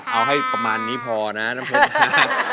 เอาให้ประมาณนี้พอนะน้ำเพชรนะ